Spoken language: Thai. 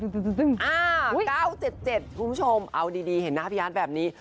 ๙๗๗คุณผู้ชมเอาดีเห็นหน้าพี่อาร์ทแบบนี้